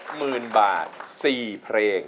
หมื่นบาท๔เพลง